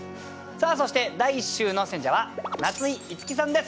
そして第１週の選者は夏井いつきさんです。